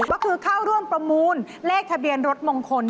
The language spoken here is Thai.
ก็คือเข้าร่วมประมูลเลขทะเบียนรถมงคล